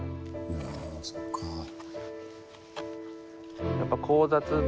あそっか。